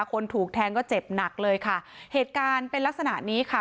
คนถูกแทงก็เจ็บหนักเลยค่ะเหตุการณ์เป็นลักษณะนี้ค่ะ